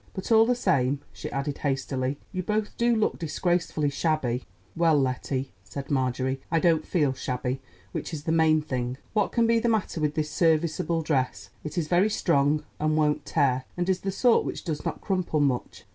"But, all the same," she added hastily, "you both do look disgracefully shabby." "Well, Lettie," said Marjorie, "I don't feel shabby, which is the main thing. What can be the matter with this serviceable dress? It is very strong and won't tear, and is the sort which does not crumple much."